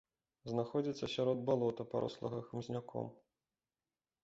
Знаходзіцца сярод балота, парослага хмызняком.